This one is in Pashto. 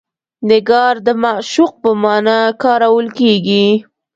نګار د معشوق په معنی کارول کیږي.